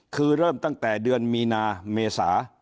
คือเริ่มตั้งแต่เดือนมีนาเมษา